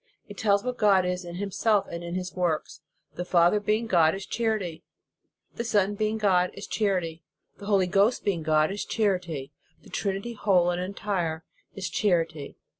It tells what God is in Himself and in His works. The Father being God, is char ity. The Son being God, is charity. The Holy Ghost being God, is charity. The Trinity whole and entire, is charity.